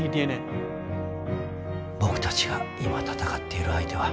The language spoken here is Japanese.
僕たちが今闘っている相手は。